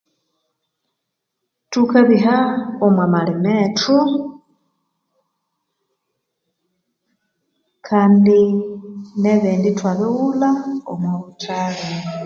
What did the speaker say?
Thukabiha omwa malima ethu kandi ne'bindi ithwabighulha omwabuthali